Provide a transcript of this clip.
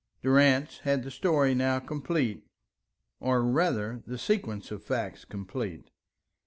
Durrance had the story now complete, or rather, the sequence of facts complete.